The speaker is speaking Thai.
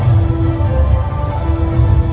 สโลแมคริปราบาล